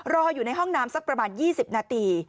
รออยู่ในห้องน้ำสักประมาณ๒๐นาที